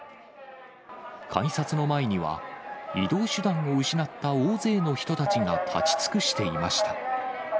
改札の前には、移動手段を失った大勢の人たちが立ち尽くしていました。